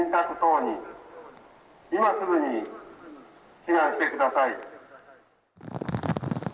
今すぐに避難してください。